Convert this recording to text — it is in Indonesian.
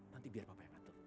nanti biar bapak yang ngatur